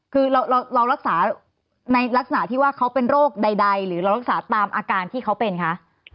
คือเรารักษาในลักษณะที่ว่าเขาเป็นโรคใดหรือเรารักษาตามอาการที่เขาเป็นคะ